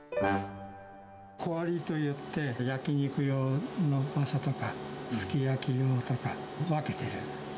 小割りといって、焼き肉用とか、すき焼き用とか、分けてる。